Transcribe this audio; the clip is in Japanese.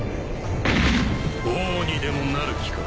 王にでもなる気か？